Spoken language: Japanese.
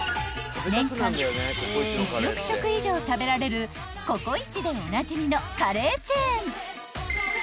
［年間１億食以上食べられるココイチでおなじみのカレーチェーン］